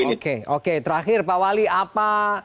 oke oke terakhir pak wali apa